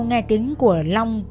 nghe tiếng của long